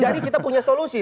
jadi kita punya solusi